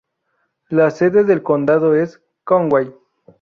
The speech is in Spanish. La sede del condado es Conway.